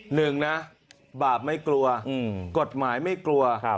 หนึ่งนะบาปไม่กลัวกฎหมายไม่กลัว